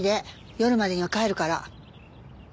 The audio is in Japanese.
夜までには帰るから。